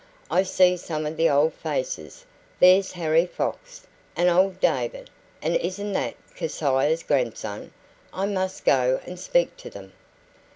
"I see some of the old faces there's Harry Fox and old David and isn't that Keziah's grandson? I must go and speak to them."